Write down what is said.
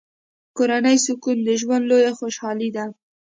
کورنی سکون د ژوند لویه خوشحالي ده.